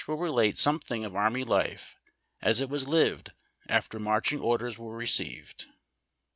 331 will relate something of army life as it was lived after march ing orders were received.